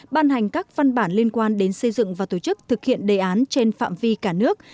ban hành các văn bản liên quan đến xây dựng và tổ chức thực hiện đề án trên phạm vi cả nước